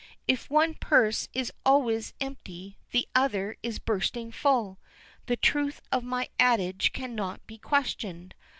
If one purse is always empty, and the other is bursting full, the truth of my adage cannot be questioned.